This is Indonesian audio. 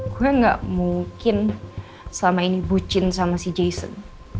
gue gak mungkin selama ini bucin sama si jason